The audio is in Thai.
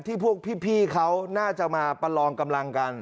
พวกพี่เขาน่าจะมาประลองกำลังกัน